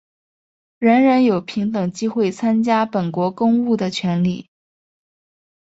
人人有平等机会参加本国公务的权利。